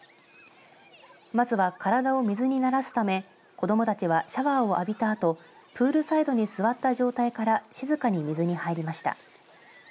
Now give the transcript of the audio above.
まずは体を水に慣らすため子どもたちはシャワーを浴びたあとプールサイドに座った状態から静かに水に入りました。